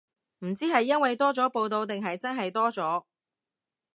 唔知係因為多咗報導定係真係多咗